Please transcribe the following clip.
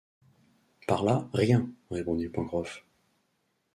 Par là, rien, répondit Pencroff